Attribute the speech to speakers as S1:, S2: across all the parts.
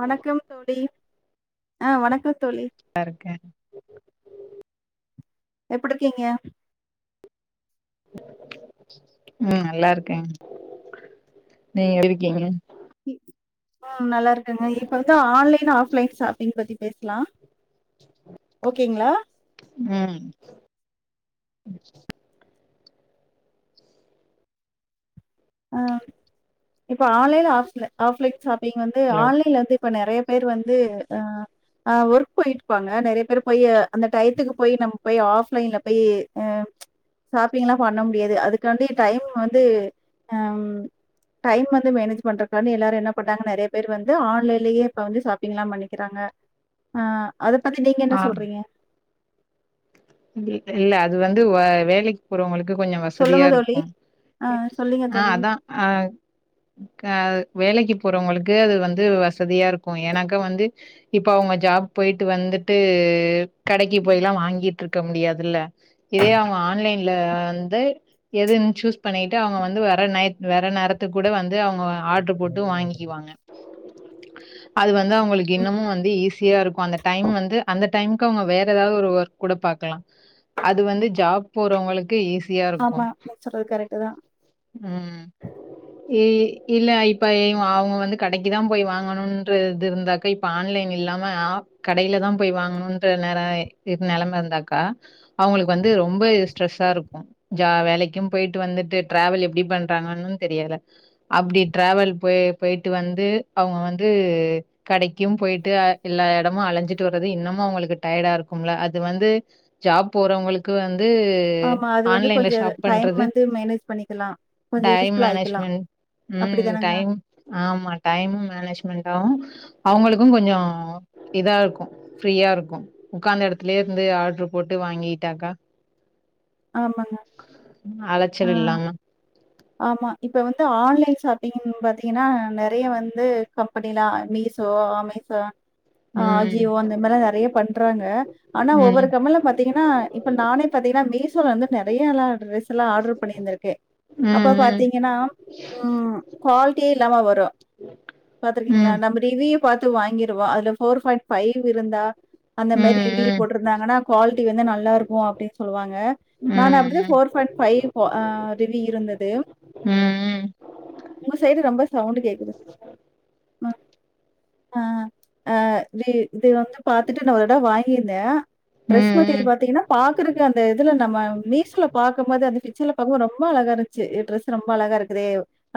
S1: வணக்கம் தோழி ஆ வணக்கம் தோழி
S2: லா இருக்கே
S1: எப்டிருக்கீங்க
S2: ம் நல்லா இருக்கே நீங்க எப்டி இருக்கீங்க
S1: ம் நல்லா இருக்கேங்க இப்ப வந்து ஆன்லைன் ஆஃப்லைன் ஷாப்பிங் பத்தி பேசலா ஓகேங்களா
S2: ம்
S1: ஆ இப்ப ஆன்லைன் ஆஃப்ல ஆஃப்லைன் ஷாப்பிங் வந்து
S2: ஹலோ
S1: ஆன்லைன்ல வந்து இப்ப நெறைய பேர் வந்து ஆ ஆ ஒர்க் போயிட்டு இருப்பாங்க நெறைய பேர் போயி அந்த டயத்துக்கு போயி நம்ம போயி ஆஃப்லைன்ல போயி அ ஷாப்பிங்லா பண்ண முடியாது அதுக்காண்டி டைம் வந்து அ ம் டைம் வந்து மேனேஜ் பண்றக்கான்டி எல்லாரு என்ன பண்டாங்க நெறைய பேர் வந்து ஆன்லைன்லேயே இப்ப வந்து ஷாப்பிங்லா பண்ணிக்கிறாங்க ஆ அத பத்தி நீங்க என்ன
S2: ஆ
S1: சொல்றீங்க
S2: இல்ல அது வந்து வ வேலைக்கு போறவங்களுக்கு கொஞ்ச வசதியா
S1: சொல்லுங்க தோழி
S2: இருக்கு
S1: ஆ சொல்லுங்க
S2: ஆ
S1: தோழி.
S2: அதா அ க வேலைக்கு போறவுங்களுக்கு அது வந்து வசதியா இருக்கு எனக்கு வந்து இப்ப அவுங்க ஜாப் போயிட்டு வந்துட்டு கடைக்கு போய்லா வாங்கிட்டு இருக்க முடியாதுல்ல இதே அவுங்க ஆன்லைன்ல வந்து எதுன்னு சூஸ் பண்ணிட்டு அவுங்க வந்து வர நை வர நேரத்துக்கு கூட வந்து அவுங்க ஆர்ட்ரு போட்டு வாங்கிக்குவாங்க அது வந்து அவுங்களுக்கு இன்னமு வந்து ஈஸியா இருக்கு அந்த டைம் வந்து அந்த டைம்க்கு அவுங்க வேற ஏதாவது ஒரு ஒர்க் கூட பாக்லா அது வந்து ஜாப் போறவங்களுக்கு ஈஸியா இருக்கு
S1: ஆமா. நீங்க சொல்றது கரெக்ட் தான்.
S2: ம் ஏ இல்ல இப்ப அவுங்க வந்து கடைக்கு தா போய் வாங்கணுன்ற இது இருந்தா க இப்ப ஆன்லைன் இல்லாம ஆ கடையில தா போய் வாங்கணுன்ற நேர நெலம இருந்தாக்கா அவுங்களுக்கு வந்து ரொம்ப இது ஸ்ட்ரெஸ்ஸா இருக்கும் ஜா வேலைக் க்கும் போயிட்டு வந்துட்டு டிராவல் எப்டி பண்றாங்கன்னு தெரியல அப்டி ட்ரவல் போய் போயிட்டு வந்து அவுங்க வந்து கடைக்கும் போயிட்டு அ எல்லா எடமு அழஞ்சிட்டு வர்றது இன்னமு அவுங்களுக்கு டயர்டா இருக்கும்ல அத் அது வந்து ஜாப் போறவுங்களுக்கு வந்து
S1: ஆமா அது வந்து
S2: ஆன்லைன்ல
S1: கொஞ்சம்
S2: ஷாப்
S1: டைம்
S2: பண்றது
S1: வந்து மேனேஜ் பண்ணிக்கலாம். கொஞ்சம்
S2: டைம்
S1: யூஸ்ஃபுல்லா ஆயிக்கலாம்.
S2: மேனேஜ்மெண்ட் ம்
S1: அப்படிதானங்க?
S2: டைம் ஆமா டைம் மேனேஜ்மெண்டாவு அவுங்களுக்கு கொஞ்சோ இதா இருக்கு ஃப்ரீயா இருக்கு உக்காந்த எடத் திலே இருந்து ஆர்ட்ரு போட்டு வாங்கிட்டாக்கா
S1: ஆமாங்க ஆ
S2: அலச்சல் இல்லாம
S1: ஆமா இப்ப வந்து ஆன்லைன் ஷாப்பிங்ன் பாத்தீங்கன்னா நறைய வந்து இப்ப பட்டீலா மீசோ அமேசான்
S2: ம்.
S1: அஜியோ அந்த மாரில்லா நறைய பண்றாங்க ஆனா ஒவ்வொரு
S2: ம்.
S1: கம்பென்ல பாத் திங்கன்னா இப்ப நானே பாத்தீங்கன்னா மீசோல இருந்து நறையலா டிரெஸ் சுலா ஆர்டர் பண்ணியிருந்திருக்க
S2: ம்.
S1: அப்ப
S2: ம்.
S1: பாத்தீங்கன்னா ம் குவாலிட்டியே இல்லாம வரு பாத்துருக்கீங்களா
S2: ம்.
S1: நம்ம ரிவியூ பாத்து வாங்கிருவோ அதுல ஃபோர் பாயிண்ட் ஃபைவ் இருந்தா அந்த
S2: ம்.
S1: மாரி ரிவியூ
S2: ம்.
S1: போட்டிருந்தாங்கன்னா குவாலிட்டி வந்து நல்லா இருக்கு அப்டின் சொல்லுவாங்க நானு
S2: ம்.
S1: அப்டிதா
S2: ம்.
S1: ஃபோர் ஃபைவ் அ ரிவி இருந்துது
S2: ம்
S1: உங்க சைடு ரொம்ப சவுண்டு கேக்குது ம் அ ஆ இது இது வந்து பாத்துட்டு நா ஒரு தடவ வாங்கிருந்த
S2: ம்
S1: ட்ரெஸ் மெட்டீரியல்
S2: ம்
S1: பாத்தீங்கன்னா பாக்குறக்கு அந்த இதுல நம்ம மீஸ்ல பாக் அந்த பிக்சர்ல பாருங்க ரொம்ப அழகா இருந்துச்சு டிரெஸ் ரொம்ப அழகா இருக்குதே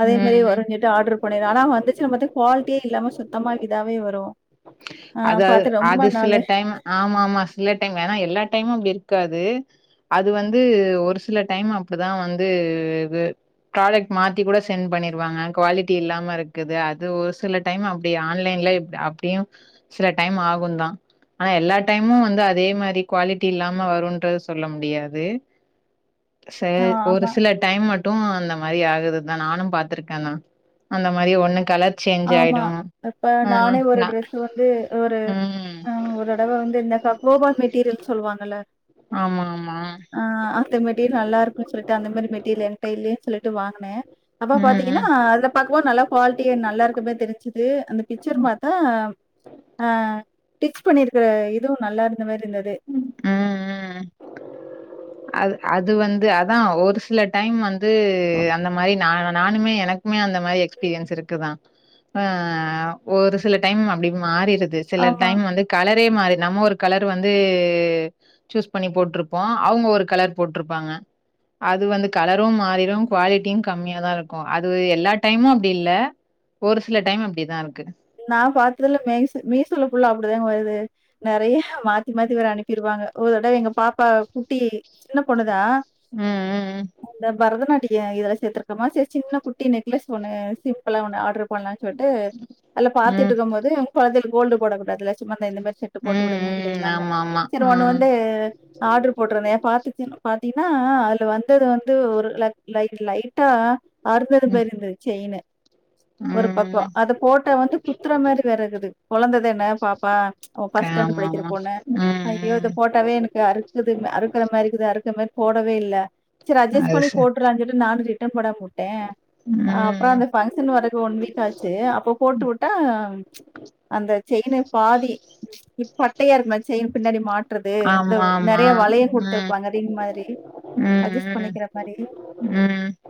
S1: அதே மாரே
S2: ம்
S1: வரு ட்ட ஆர்டர் பண்ணிருந்ந ஆனா வந்துச்சு மட்டு குவாலிட்டியே இல்லாம சுத்தமா இதாவே வரு
S2: அதாவ அது சில டைமு ஆமா ஆமா சில டைம் ஏனா எல்லா டைமு அப்டி இருக்காது அது வந்து ஒரு சில டைம் அப்டிதா வந்து இது ப்ராடெக்ட் மாத்தி கூட செண்ட் பண்ணிருவாங்க குவாலிட்டி இல்லாம இருக்குது அது ஒரு சில டைம் அப்டி ஆன்லைன்ல இப் அப்டியு சில டைம் ஆகுந்தா ஆனா எல்லா டைமு வந்து அதே மாரி குவாலிட்டி இல்லாம வருன்றது சொல்ல முடியாது சேர்
S1: ஆ ஆமா.
S2: ஒரு சில டைம் மட்டு அந்த மாரி ஆகுது தா நானு பாத்திருக்கண்ணா அந்த மாரி ஒண்ணு கலர் சேஞ்ச்
S1: ஆமா
S2: ஆயிடு
S1: இப்ப
S2: ம்
S1: நானே ஒரு
S2: நா
S1: ட்ரெஸ் அது வந்து ஒரு
S2: ம்
S1: அ ஒரு தடவ வந்து இந்த கக்வோபா மெட்டீரியல் சொல்வாங்கல்ல
S2: ஆமா ஆமா
S1: ஆ அந்த மெட்டீரியல் நல்லா இருக்குன் சொல்ட்டு அந்த மாரி மெட்டீரியல் என்ட்ட இல்லையேன்னு சொல்லிட்டு வாங்கனே அப்ப
S2: ம்
S1: பாத்தீங்கன்னா
S2: ம்
S1: அதுல பாக்கு போது நல்லா குவாலிட்டியா நல்லா இருக்கு பே தெரிஞ்சுது அந்த பிச்சர் பாத்தா ஆ டிச் பண்ணிருக்கற இதுவு நல்லா இருந்த மாரி இருந்தது
S2: ம் ம் அது அது வந்து அதா ஒரு சில டைம் வந்து அந்த மாரி நா நானுமே எனக் மே அந்த மாரி எக்ஸ்பீரியன்ஸ் இருக்குதா அ ஒரு சில டைம் அப்டி மாறிடுது சில
S1: ஆமா.
S2: டைம் வந்து கலரே மாறி நம்ம ஒரு கலர் வந் து சூஸ் பண்ணி போட்ருப்போ அவுங்க ஒரு கலர் போட்ருப்பாங்க அது வந்து கலரும் மாறிரு குவாலிட்டியு கம்மிய தா இருக்கு அது எல்லா டைமு அப்டி இல்ல ஒரு சில டைம் அப்டிதா இருக்கு
S1: நான் பாத்ததுல மேஸ் மீசோல்ல ஃபுள்ளா அப்டிதாங்க வருது நெறைய மாத்தி மாத்தி வேற அனுப்பிருவாங்க ஒரு தடவ எங்க பாப்பா குட்டி சின்ன பொண்ணுதா
S2: ம் ம் ம்
S1: அந்த பரதநாட்டிய இதுல சேர்த்திருக்கோமா சரி சின்ன குட்டி நெக்லஸ் ஒன்னு சிம்பிளா ஒன்னு ஆட்ரு பண்லான் சொல்ட்டு அதுல பாத்துட்டு
S2: ம்
S1: இருக்கு போது கொழந்தைல் கோல்டு போடக் கூடாதுல சும்மா இந்த இந்த மாரி செட்டு
S2: ம்
S1: போட்டு விடுங்க
S2: ம் ம்
S1: சொல்லிருந்தாங்க
S2: ஆமா ஆமா
S1: சரி ஒன்னு
S2: ம்
S1: வந்து ஆட்ரு போட்டிருந்தே பாத்திச்சி பாத்தினா அல வந்தது வந்து ஒரு ல லை லைட்டா அறுந்தது
S2: ம்
S1: மேரி இருந்து செயினு ஒரு பக்கோ
S2: ம்
S1: அத போட் டா வந்து குத்துற மாரி வேற இருக்குது கொழந்த தான பாப்பா அவ ஃபர்ஸ்ட் ஸ்டான்டட் படிக்கிற
S2: ஆமாமா
S1: பொண்ணு
S2: ம்
S1: ஐயோ இத போட்டாவே எனக்கு அறுக்குது வே அறுக்குற மாரி இருக்குது அறுக்குற மாதி போடவே இல்ல சரி
S2: ம்
S1: அட்ஜஸ்ட்
S2: அது
S1: பண்ணி
S2: சரி
S1: போட்ருலான் சொல்லி நானு ரிட்டன் போடம வுட்டே அப் அப்றோ
S2: ம்
S1: அந்த பங்க்ஷன் வரக்கு ஒன் வீக் ஆச்சு அப்ப போட்டு விட்டா அந்த செயினு பாதி இ பட்டயா இருக்குமே செயினு பின்னாடி மாட் ட்றது இந்த
S2: ஆமாமா
S1: நெறய வளையோ
S2: ம்
S1: குடுத்துருப்பாங்க ரிங் மாரி அட்ஜஸ்
S2: ம் ம்
S1: பண்ணிக்கிற மாரி
S2: ம்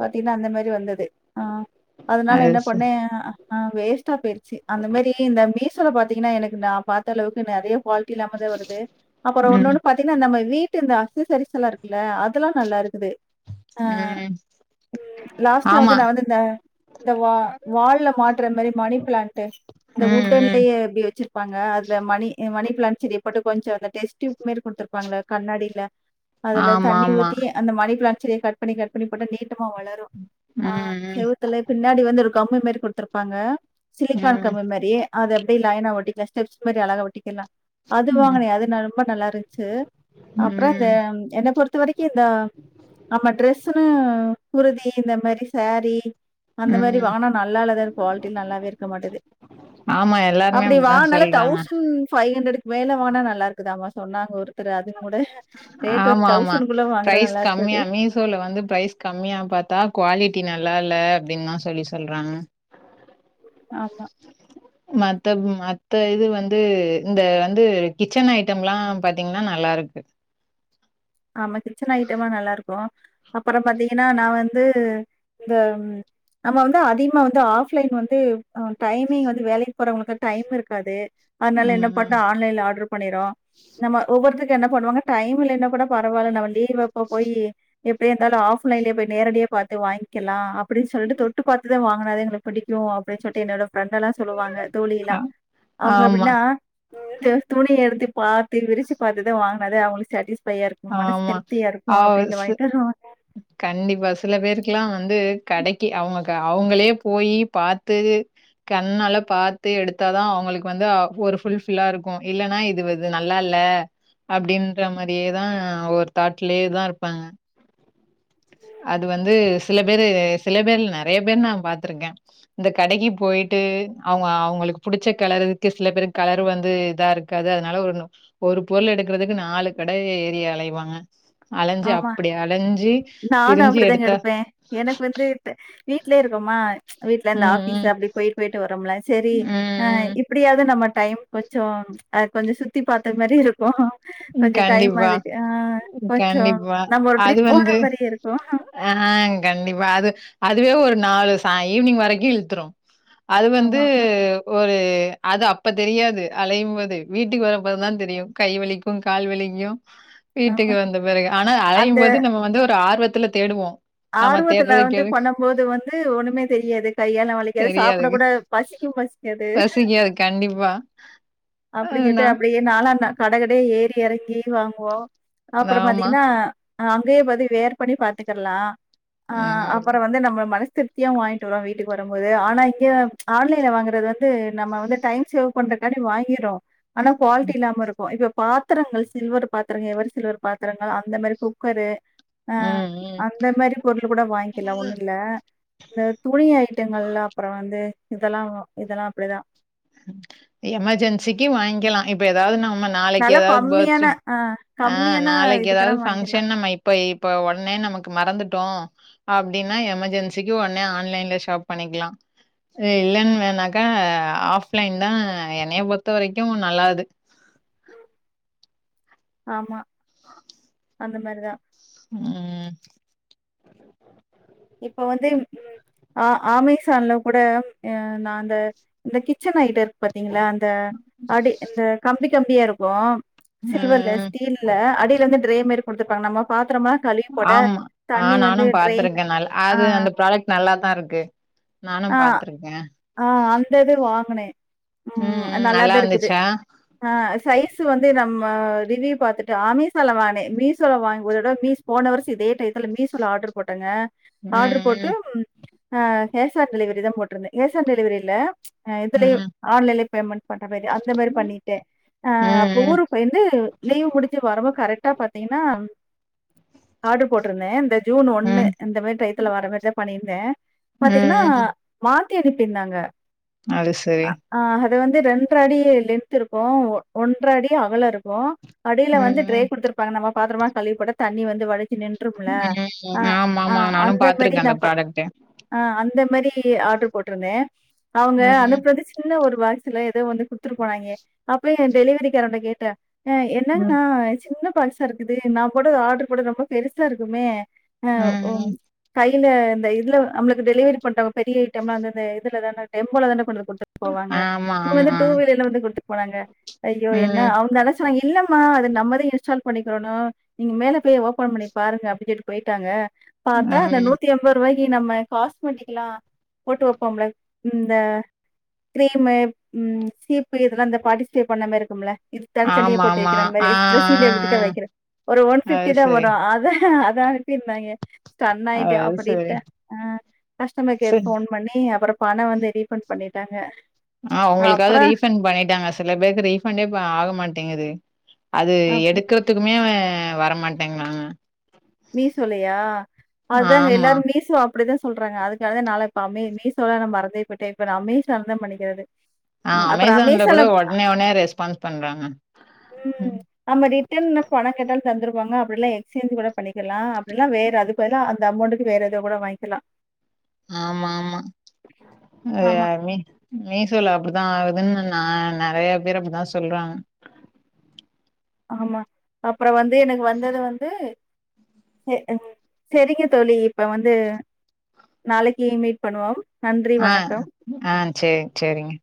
S1: பாத்தீனா அந்த மாரி வந்தது ஆ அதனால
S2: அது
S1: என்ன பண்ணே
S2: சரி
S1: அஆ ஆ வேஸ்ட்டா போயிடுச்சு அந்த மேரி இந்த மீசோல பாத்தீங்கனா எனக்கு நா பாத்த அளவுக்கு நெறைய குவால்டி இல்லாமதா வருது அப்றோ
S2: ம்
S1: ஒன்னொன்னு பாத் பாத்தீன்னா நம்ம வீட்டு இந்த அக்சசரிஸ்ல்லா இருக்குல்ல அதெல்லா நல்லா இருக்குது
S2: ம்
S1: ம் லாஸ்டா வந்து
S2: ஆமா
S1: நா வந்து இந்த இந்த வா வால்ல மாட்ற மேரி மணி ப்ளன்ட்டு இந்த
S2: ம் ம்
S1: உட்டன்லயே இப்டி வச்சிரு பாங்க அதுல மணி மணி பிளாண்ட் செடிப்போட்டு கொஞ்சோ அந்த டெஸ்ட் டியூப் மாரி குடுத்துருப்பாங்கள்ல கண்ணாடில அதுல தண்ணி
S2: ஆமாமா
S1: ஊத்தி அந்த மணிபிளாண்ட் செரிய கட் பண்ணி கட் பண்ணி போட்டா நீட்டமா வளரு யு ஆ
S2: ம்
S1: செவுத்துல பின்னாடி வந்து ஒரு கம்மு மாரி குடுத்துருப்பாங்க சிலிக்கான்
S2: ம்
S1: கம்மு மாரி அது அப்டி லைனா ஒட்டிக்கலா ஸ்டெப்ஸ் மாரி அழகா ஒட்டிக்கலா அது
S2: ம் ம்
S1: வாங்கினே அது ந ரொம்ப நல்லாருந்ச்சு அப்றன் அ
S2: ம்
S1: என்னை பொறுத்த வரைக்கு இந்த நம்ம ட்ரெஸ்ஸுனு குருதி இந்த மாரி ஷாரி அந்த மாரி
S2: ம்
S1: வாங்னா நல்லா இல்லதா இது குவாலிட்டி நல்லாவே இருக்க மாட்டேது
S2: ஆமா எல்லாருமே
S1: அப்டி
S2: அப்டித்தா
S1: வாங்னாலே
S2: சொல்றாங்க
S1: தௌசண்ட் ஃபைவ் ஹண்ட்ரட்கு மேல வாங்னா நல்லா இருக்குதாமா சொன்னாங்க ஒரு
S2: ஆமா ஆமா
S1: தௌசண்ட்குள்ள வாங்குற
S2: ப்ரைஸ்
S1: நல்லா இருக்காது
S2: கம்மியா மீசோல வந்து ப்ரைஸ் கம்மியா பாத்தா குவாலிட்டி நல்லால்ல அப்டின் தா சொல்லி சொல்றாங்க
S1: ஆமா
S2: மத்த மத்த இது வந்து இந்த வந்து கிச்சன் ஐட்டம்லா பாத்தீங் னா நல்லாருக்கு
S1: ஆமா கிச்சன் ஐட்டமா நல்லா இருக்கு அப்றம் பாத்தீங்கன்னா நா வந்து இந்த நம்ம வந்து அதிகமா வந்து ஆஃப்லைன் வந்து அ டைமிங் வந்து வேலைக்கு போறவங்களுக்கு டைம் இருக்காது அதனால என்ன பண்ண
S2: ம்.
S1: ஆன்லைன்ல ஆர்டர் பண்ணிரோ நம்ம ஒவ்வொருத்துக் என்ன பண்ணுவாங்க டைம் இல்லைனா கூட பரவால்ல நம்ம லீவப்ப போயி எப்டியாருந்தாலு ஆஃப்லைன்லயே போய் நேரடியா பாத்து வாங்க்கிலா அப்டின் சொல்ட்டு தொட்டு பாத்துதா வாங்கினாதா எங்களுக் புடிக்கு அப்டின் சொல்ட்டு என்னோட ஃப்ரெண்டெல்லா சொல்லுவாங்க தோழிலா
S2: அ
S1: அவுங்க
S2: ஆமா,
S1: எப்டினா இந்த துணி எடுத்து பாத்து விரிச்சு பாத்துதா வாங்குனாதா அவுங்களுக் சாட்டிஸ்ஃபையா இருக் கு மனசு
S2: ஆமா.
S1: திருப்தியா
S2: அ
S1: இருக்கு அப்டின்டு
S2: சி
S1: வாங்கிட்டு வருவாங்க
S2: கண்டிப்பா சில பேருக்ல்லா வந்து கடைக்கு அவுங்க அவுங்களே போயி பாத்து கண்ணால பாத்து எடுத்தாதா அவுங்களுக்கு வந்து ஒரு புல்ஃபிலா இருக்கு இல்லனா இது வந்து இது நல்லால்ல அப்டின்ற மாரியே தா வொரு தாட்லேதா இருப்பாங்க அது வந்து சில பேரு சில பேர்ல நறைய பேர் நா பாத்ருக்கே இந்த கடைக்கு பொய்ட்டு அவுங்க அவுங்களுக்கு புடிச்ச கலரு இருக்கு சில பேரு கலரு வந்து இதா இருக்கு இருக்காது அதனால ஒரு ஒரு பொருள் எடுக்றதுக்கு நாலு கட ஏறி அலைவாங்க அலஞ்சி
S1: ஆமா
S2: அப்டி அலஞ்சி திரிஞ்சு எடுத்தா
S1: வீட்லியே இருக்கோமா வீட்ல
S2: ம்,
S1: இருந்து ஆபிஸ்
S2: ம்,
S1: அப்டி பொய்ட்டு பொய்ட்டு வரோம்ல சரி அ
S2: ம்,
S1: இப்டியாது நம்ம டைம் கொஞ்சோ அ கொஞ்சோ சுத்தி பாத்த மாரி இருக்கு
S2: ம்.
S1: கொஞ்சோ டைம்
S2: கண்டிப்பா,
S1: அதுக்கு அ கொஞ்சோ
S2: கண்டிப்பா.
S1: நம்ம ஒரு ட்ரிப் போன மாரியே இருக்கு
S2: அ கண்டிப்பா அது அதுவே ஒரு நாலு சாய் ஈவ்னிங் வரைக்கு இழுத்ரு அது வந்து
S1: ஆமா ஆமா
S2: ஒரு அது அப்ப தெரியாது அழையும்போது வீட்டுக்கு வரப்பதா தெரியு கைவலி கால்வலிக்கு வீட்டுக்கு
S1: ஆமா
S2: வந்த பெறகு ஆனா
S1: அந்த
S2: அலையும்போது நம்ம வந்து ஒரு ஆர்வத்துல தேடுவோ
S1: ஆர்வத்துல வந்து பண்ணும்போது வந்து ஒண்ணுமே தெரியாது கையல்லா வலிக்காது சாப்ட
S2: தெரியாதுங்க.
S1: கூட பசிக்கு பசிக்காது
S2: பசிக்காது கண்டிப்பா.
S1: அப்டின் சொல்ட்டு
S2: அதுனா
S1: அப்டியே நாலா கடைகடையா ஏறி எறங்கி வாங்குவோ அப்றோ
S2: ஆமா.
S1: பாத்திங்கன்னா அங்கயே பாதி வியேர் பண்ணி பாத்துக்கலா அ
S2: ம்.
S1: அப்றோ வந்து நம்ம மனசு திரு த்தியா வாங்கிட்டு வருவா வீட்டுக்கு வரும்போது ஆனா இங்க ஆன்லைன்ல வாங்றது வந்து நம்ம வந்து டைம் சேவ் பண்றக்காண்டி வாங்கிரோ ஆனா குவாலிட்டி
S2: ம்,
S1: இல்லாம இருக்கு இப்ப பாத்திரங்கள் சில்வர் பாத்திரங்எவர் சில்வர் பாத்திரங்கள் அந்த மாரி குக்கரு அ
S2: ம்.
S1: அந்த மாறி பொருள் கூட வாங்க்கிலா ஒண்ணு இல்ல இந்த துணிய ஐட்டங்கள் அப்றோ வந்து இதல்லா இதல்லா அப்டிதா
S2: எமர்ஜென்சிக்கு வாய்கிலா இப்ப எதாது நம்ம நாளைக்கு
S1: நல்லா
S2: ஏதாவ்து
S1: கம்மியான
S2: பர்த்டே
S1: ஆ
S2: ஆ
S1: கம்மியான
S2: நாளைக்கு ஏதாவ்து
S1: இதுக்கெல்லாம் வாங்கிக்கலாம்.
S2: பங்க்ஷன்னா நம் இப்ப இப்போ ஒட்னே நமக்கு மறந்துட்டோ அப்டின்னா எமர்ஜென்சிக்கு ஒட்னே ஆன்லைன்ல ஷாப் பண்ணிக்லா இல்லன் வேணாக்கா ஆஃப்லைன்தா என்னைய பொறுத்த வரைக்கு நல்லாது
S1: ஆமா அந்த மாறிதா
S2: ம்
S1: இப்போ வந்து ம் அ அமேசான்ல கூட நா அந்த இந்த கிச்சன் ஐட்டோ இருக்கு பாத்திங்ளா அ இந்த அடி இந்த கம்பி கம்பியா இருக்கு சில்வர்லெஸ்
S2: ம்.
S1: ஸ்டீல்ல அடிலேந்து ட்ரே மாறி குடுத்ருப்பாங்க நம்ம பாத்ரமா
S2: ஆம்மா ஆ நானு பாத்திருக்கே நல்லா
S1: ஆ,
S2: அது அந்த ப்ராடக்ட் நல்லா தா இருக்கு நானு பாத்ருக்கே
S1: அ அந்த இது வாங்னே ம் நல்லாதா இருக்குது ஆ சைஸ் வந்து நம்ம ரிவ்யூ பாத்துட்டு அமேசான்ல வாங்னே மீசோல வாங்குபோது ஒருதடவ மீஸ் போனவர்ச இதே டைத்துல மீசோல ஆட்ரு போட்டங்க ஆட்ரு போட்டு ம் அ கேஷ் ஆன் டெலிவரி தா போட்ருந்தே கேஷ் ஆன் டெலிவரி இல்ல அ இதுலய
S2: ம்.
S1: ஆன்லைன்லயே பேமெண்ட் பண்ற மாறி அந்த மாறி பண்ணிட்டே அ
S2: ம்,
S1: அப்ப
S2: ம்.
S1: ஊருக்கு பொய்ருந்து லீவ் முடிஞ்சு வருமோ கரெக்டா பாத்திங்ன்னா ஆட்ரு போட்ருந்தே இந்த ஜூன் ஒண்ணு
S2: ம்.
S1: இந்த மாறி டயத்துல வர மாறிதா பண்ணிருந்தே
S2: ம்,
S1: பாத்திங்ன்னா
S2: ம்.
S1: மாத்தி அனுப்பிர்ந்தாங்க
S2: அது சரி
S1: ஆ அது வந்து ரெண்ற அடி லென்த் இருக்கு ஒன்ற அடி அகல இருக்கு அடில
S2: ம்,
S1: வந்து ட்ரே
S2: ம்.
S1: குடுத்துருப்பாங்க நம்ம பாத்திரமலா கழுவிப்போட்டா தண்ணி வந்து வழிச்சு நின்றுமுல ஆ
S2: ம்.
S1: ஆ
S2: ஆமாமா. நானும்
S1: அந்த மாரி
S2: பாத்துருக்கேன் அந்த
S1: நம்ம
S2: ப்ராடக்ட்ட.
S1: ஆ அந்த மாரி ஆர்ட்ரு போட்ருந்தே அவுங்க
S2: ம்,
S1: அனுப்னது சின்ன ஒரு பாக்ஸ்ல எதோ வந்து குட்த்துட்டு போனாய்ங்க அப்ப ஏன் டெலிவரி காரன்ட்ட கேட்ட அ
S2: ம். ம்.
S1: என்னன்ணா சின்ன பாக்ஸா இருக்குது நா போட்டது ஆர்ட்ரு போட்டது ரொம்ப பெருசா இருக்குமே
S2: ம் ம்
S1: கைல இந்த இது நம்ளுக்கு டெலிவரி பண்ற பெரியஐட்டமா அந்தந்த இதுல தான டெம்போலதான கொண்டு வந்து குடுத்து போவாங்க
S2: ஆமா,
S1: இவங்க
S2: ஆமா.
S1: டூ வீலர்ல வந்து குடுத்துட் போனாங்க ஐயோ என்ன
S2: ம்.
S1: அவ்ங்கள சொன்னாங்க இல்லம்மா அது நம்மதா இன்ஸ்டால் பண்ணிக்குடனு நீங்க மேல போய் ஓப்பன் பண்ணி பாருங்க அப்டின் சொல்லி போய்ட்டாங்க பாத்தா இந்த
S2: ம்.
S1: நூத்தியெம் பருவாய்க்கு நம்ம காஸ்மெட்டிக்லா போட்டு வப்போம்ல இந்த கிரீம்மு ம் சீப்பு இதலா இந்த பாடிஸ்டே பண்ண மாரி இருக்கும்ல தனி தனிய போட்டு
S2: ஆமாமா.
S1: வைக்கிற மாரி
S2: ஆ,
S1: ட்ரெஸிங்
S2: ஆ,
S1: டேபிள்கிட்ட
S2: ஆ.
S1: வைக்கிற ஒரு ஒன்
S2: அது
S1: ஃபிஃப்டிதா
S2: சரி.
S1: வரு அத தா அத அனுப்பிருந்தாய்ங்க
S2: அது
S1: ஸ்டன்னாய்ட்டே
S2: சரி
S1: அப்புடித்தா ஆ கஸ்டமர் கேர்க்
S2: சரி
S1: ஃபோன் பண்ணி அப்புறோ பணோ வந்து ரீஃபண்ட் பண்ணிட்டாங்க
S2: ஆ உங்களுக்காது
S1: அப்பறோ
S2: ரீஃபண் பண்ணிட்டாங்க சில பேருக்கு ரீஃபண்டே இப்ப ஆகமாட்டேங்குது அது
S1: அப்டி
S2: எடுக்கற்த்துக்குமேவ வரமாட்டேங்காங்க
S1: மீசோலையா அதாங்க
S2: ஆமா
S1: எல்லாரு மீசோ அப்டிதா சொல்றாங்க அதுக்காகதா நாலா இப்ப அமே மீசோலா நா மறந்தே போய்ட்டே இப்ப நா அமேசான்தா பண்ணிக்கிறது
S2: ஆ
S1: ம் அப்பறோ
S2: அமேசான்ல கூட
S1: அமேசால
S2: ஒட்னே ஒட்னே ரெஸ்பான்ஸ் பண்றாங்க
S1: ம் நம்ம ரிட்டன்ல பணோ கேட்டாலு தந்துருவாங்க அப்டில்ல எக்ஸ்சேஞ்ச் கூட பண்ணிக்குலா அப்டிலா வேற அதுக் வேணி அந்த அமௌண்டுக்கு வேற எதோ கூட வாய்ங்கில்லா
S2: ஆமா ஆமா
S1: ஆமா,
S2: எல்லார்மே மீசோல அப்டிதா ஆகுதுன்னு நா நெறையா பேர் அப்டிதா சொல்றாங்க
S1: ஆமா அப்புறோ வந்து எனக்கு வந்தது வந்து செ ன் செரிங்க தோழி இப்ப வந்து நாளைக்கு மீட் பண்ணுவோம் நன்றி
S2: ஆ
S1: வணக்கம்
S2: ஆ சேரி சேரிங்க